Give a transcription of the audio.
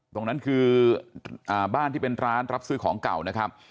ตรงนั้นคือบ้านที่เป็นร้านรับซื้อของเก่านะครับ